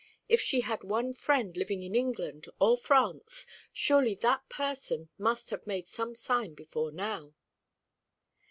If she had one friend living in England or France, surely that person must have made some sign before now."